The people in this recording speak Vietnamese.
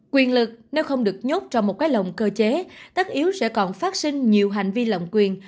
quyền lực nếu không được nhốt trong một cái lồng cơ chế tất yếu sẽ còn phát sinh nhiều hành vi lòng quyền